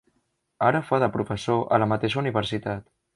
Ara fa de professor a la mateixa universitat.